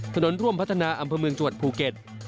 ถนนร่วมพัฒนาอำเภอเมืองจวดภูเก็ต